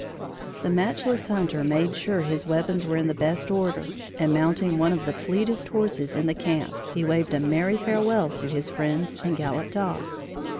The matchless hunter made sure his weapons were in the best order, and, mounting one of the fleetest horses in camp, he waved a merry farewell to his friends and galloped off.